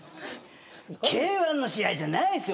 Ｋ−１の試合じゃないっすよ！